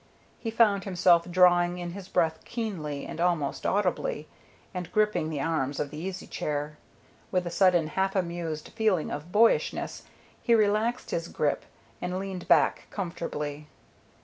He found himself drawing in his breath keenly and almost audibly, and gripping the arms of the easy chair: with a sudden half amused feeling of boyishness he relaxed his grip and leaned back comfortably.